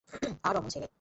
আর, অমন ছেলে!